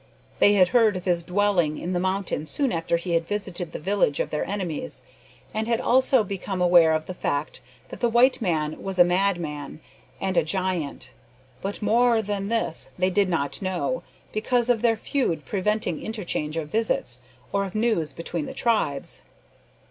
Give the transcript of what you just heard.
They had heard of his dwelling in the mountain soon after he had visited the village of their enemies, and had also become aware of the fact that the white man was a madman and a giant, but more than this they did not know, because of their feud preventing interchange of visits or of news between the tribes.